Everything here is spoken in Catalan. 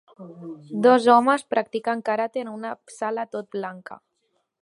Dos homes practiquen karate en una sala tot blanca.